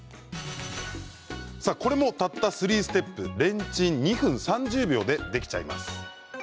これも３ステップレンチン２分３０秒でできちゃいます。